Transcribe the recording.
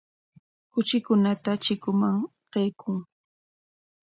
Kuchikunata chikunman qaykun.